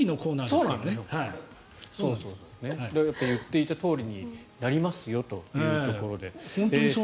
だから、言っていたとおりになりますよというところで。